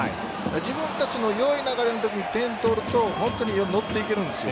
自分たちの良い流れのときに点を取ると本当に乗っていけるんです。